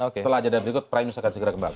setelah aja dari berikut primus akan segera kembali